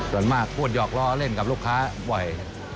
ส่วนมากพูดหยอกล้อเล่นกับลูกค้าบ่อย